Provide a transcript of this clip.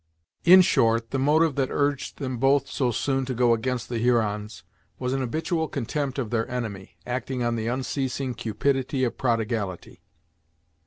In short, the motive that urged them both so soon to go against the Hurons, was an habitual contempt of their enemy, acting on the unceasing cupidity of prodigality.